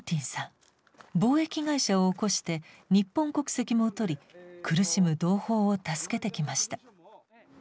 貿易会社を興して日本国籍も取り苦しむ同胞を助けてきました。